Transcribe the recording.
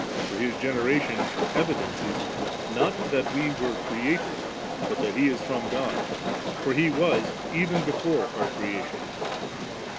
For His generation evidences, not that we were created, but that He is from God; for He was even before our creation.